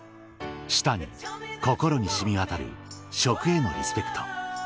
舌に心に染み渡る食へのリスペクト